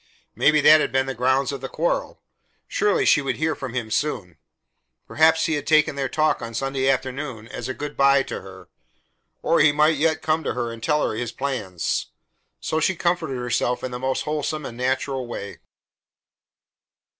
Maybe that had been the grounds of the quarrel. Surely she would hear from him soon. Perhaps he had taken their talk on Sunday afternoon as a good by to her; or he might yet come to her and tell her his plans. So she comforted herself in the most wholesome and natural way.